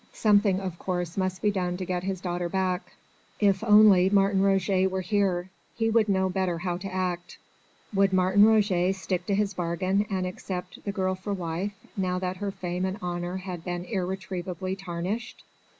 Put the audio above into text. Something of course must be done to get his daughter back. If only Martin Roget were here, he would know better how to act. Would Martin Roget stick to his bargain and accept the girl for wife, now that her fame and honour had been irretrievably tarnished?